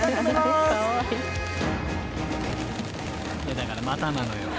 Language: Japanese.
［だからまたなのよ］